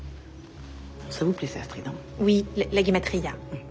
うん。